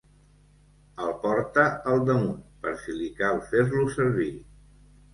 El porta al damunt, per si li cal fer-lo servir.